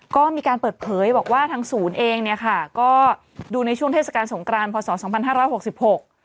ก็มีการเปิดเผยบอกว่าทางศูนย์เองเนี่ยค่ะก็ดูในช่วงเทศกาลสงกรานพศสองพันห้าร้อยหกสิบหก